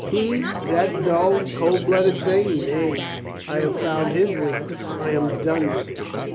"He — that dull, cold blooded thing! Nay, I have found his weakness. I am done with him."